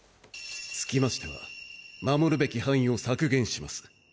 つきましては守るべき範囲を削減します。